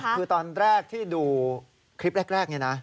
คือตอนแรกที่ดูคลิปแรกนี่นะ